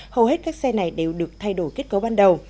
hầu hết các xe này đều được thay đổi kết cấu ban đầu